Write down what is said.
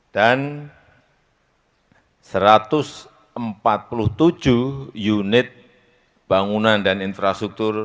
dan satu ratus empat puluh tujuh unit bangunan dan infrastruktur